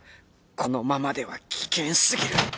このままでは危険すぎる！